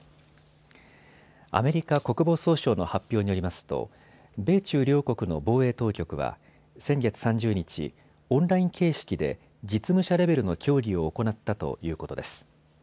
アメリカ国防総省の発表によりますと米中両国の防衛当局は先月３０日、オンライン形式で実務者レベルの協議を行ったということです。